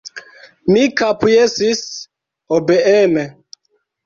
Mi kapjesis obeeme.